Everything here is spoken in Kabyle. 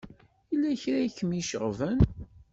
Yella kra i kem-iceɣben?